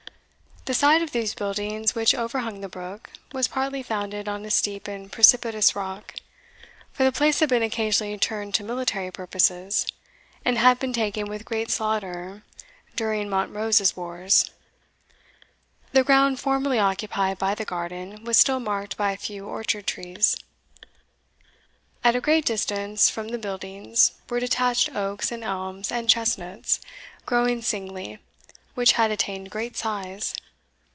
The side of these buildings which overhung the brook, was partly founded on a steep and precipitous rock; for the place had been occasionally turned to military purposes, and had been taken with great slaughter during Montrose's wars. The ground formerly occupied by the garden was still marked by a few orchard trees. At a greater distance from the buildings were detached oaks and elms and chestnuts, growing singly, which had attained great size.